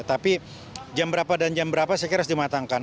tapi jam berapa dan jam berapa saya kira harus dimatangkan